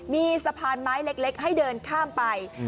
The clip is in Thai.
มีสะพานไม้เล็กให้เดินข้ามไป